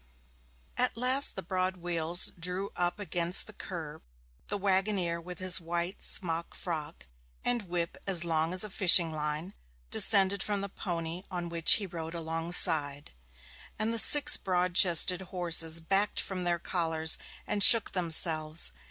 At last the broad wheels drew up against the kerb, the waggoner with his white smock frock, and whip as long as a fishing line, descended from the pony on which he rode alongside, and the six broad chested horses backed from their collars and shook themselves.